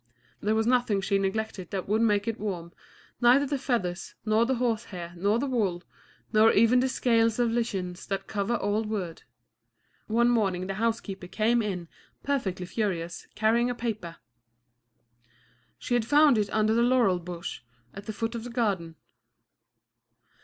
There was nothing she neglected that would make it warm, neither the feathers, nor the horsehair, nor the wool, nor even the scales of lichens that cover old wood. One morning the housekeeper came in perfectly furious, carrying a paper. She had found it under the laurel bush, at the foot of the garden.